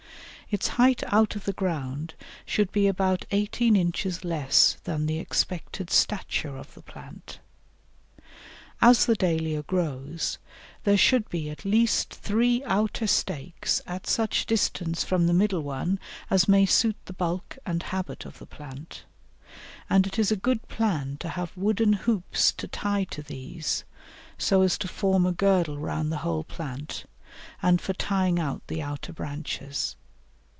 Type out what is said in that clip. Its height out of the ground should be about eighteen inches less than the expected stature of the plant. As the Dahlia grows, there should be at least three outer stakes at such distance from the middle one as may suit the bulk and habit of the plant; and it is a good plan to have wooden hoops to tie to these, so as to form a girdle round the whole plant, and for tying out the outer branches.